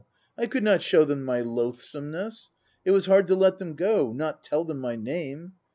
I could not show them my loathsomeness. ... It was hard to let thorn go, not tell them my name!